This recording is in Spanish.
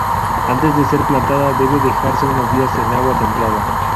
Antes de ser plantada debe dejarse unos días en agua templada.